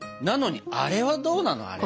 なのにあれはどうなの？